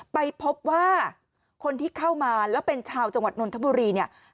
ไปพบว่าคนที่เข้ามาแล้วเป็นชาวจังหวัดนนทบุรีเนี่ย